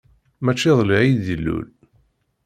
Maci iḍelli ay d-ilul.